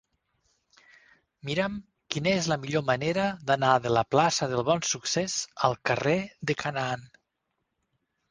Mira'm quina és la millor manera d'anar de la plaça del Bonsuccés al carrer de Canaan.